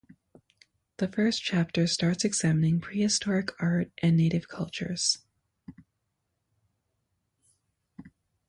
The first chapter starts examining prehistoric art and native cultures.